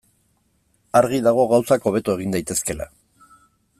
Argi dago gauzak hobeto egin daitezkeela.